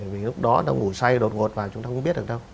vì lúc đó đang ngủ say đột ngột và chúng ta không biết được đâu